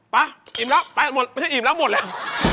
ปะเห็นเค้าคะอี๋มแล้วหมดแล้ว